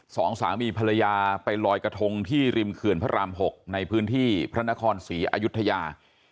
สองสามีภรรยาไปลอยกระทงที่ริมเขื่อนพระราม๖ในพื้นที่พระนครศรีอายุทยา